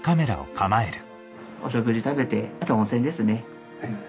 お食事食べてあと温泉ですね。